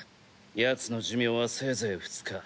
ヤツの寿命はせいぜい２日。